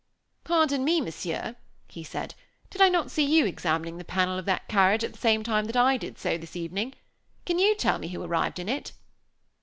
"Pardon me, Monsieur," he said. "Did I not see you examining the panel of that carriage at the same time that I did so, this evening? Can you tell me who arrived in it?"